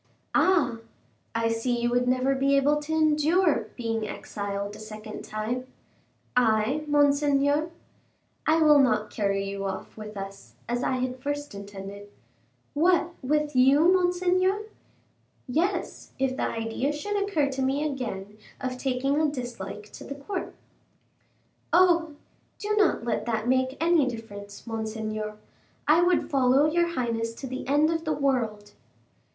"Ah! I see you would never be able to endure being exiled a second time." "I, monseigneur?" "I will not carry you off with us, as I had first intended." "What, with you, monseigneur?" "Yes; if the idea should occur to me again of taking a dislike to the court." "Oh! do not let that make any difference, monseigneur; I would follow your highness to the end of the world."